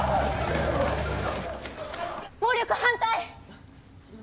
暴力反対！